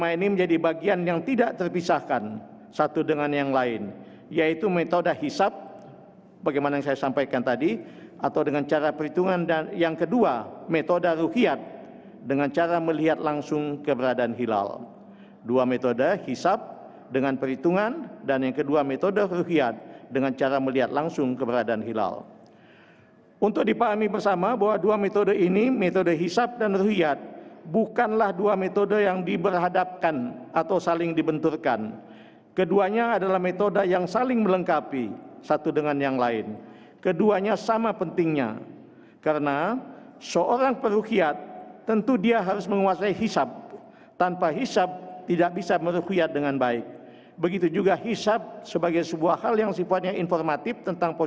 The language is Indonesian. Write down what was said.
ini jadi babi yang dibawa ke program ini yah merh barenguesti ini sudahpr married ikhlas first iya sekarang adalah pal apart let's endoro